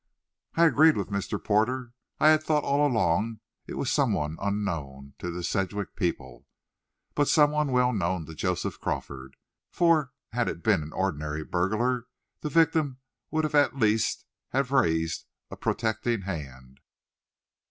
I agreed with Mr. Porter. I had thought all along it was some one unknown to the Sedgwick people, but some one well known to Joseph Crawford. For, had it been an ordinary burglar, the victim would at least have raised a protecting hand.